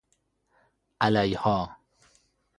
علیﮩا